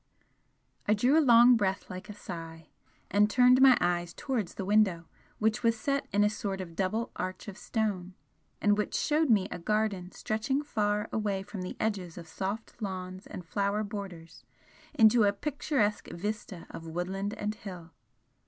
I drew a long breath like a sigh, and turned my eyes towards the window, which was set in a sort of double arch of stone, and which showed me a garden stretching far away from the edges of soft lawns and flower borders into a picturesque vista of woodland and hill.